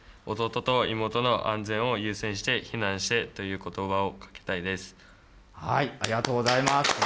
弟と妹の安全を優先して避難してありがとうございます。